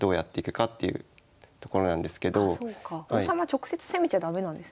直接攻めちゃ駄目なんですね。